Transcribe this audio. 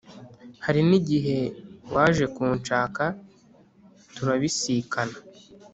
hari n’igihe waje kunshaka turabisikana